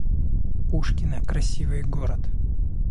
Пушкино — красивый город